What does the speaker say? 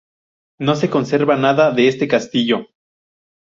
No se conserva nada de este castillo.